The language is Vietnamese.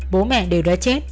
bố mẹ đều đã chết